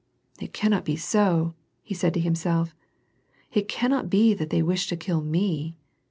"It cannot be so," he said to himself. "It cannot |>ethat they wish to kill me."